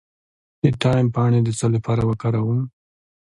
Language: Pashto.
د تایم پاڼې د څه لپاره وکاروم؟